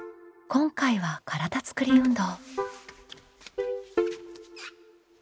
今回は「体つくり運動」。